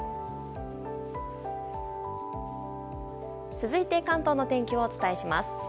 続いて関東の天気をお伝えします。